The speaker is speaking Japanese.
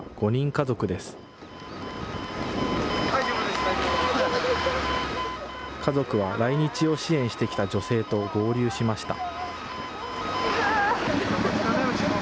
家族は来日を支援してきた女性と合流しました。